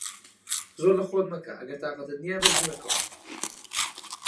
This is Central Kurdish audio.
زۆر لە خۆت مەکە، ئەگەر تاقەتت نییە بەرزی مەکەوە.